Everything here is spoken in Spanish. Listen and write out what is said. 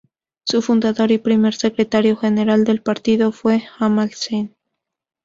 Su fundador y primer secretario general del partido fue Amal Sen.